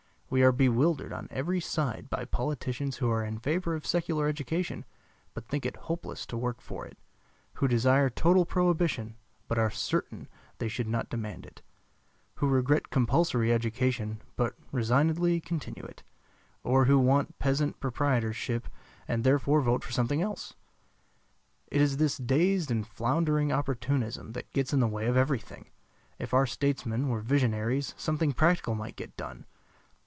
We are bewildered on every side by politicians who are in favor of secular education, but think it hopeless to work for it; who desire total prohibition, but are certain they should not demand it; who regret compulsory education, but resignedly continue it; or who want peasant proprietorship and therefore vote for something else. It is this dazed and floundering opportunism that gets in the way of everything. If our statesmen were visionaries something practical might be done.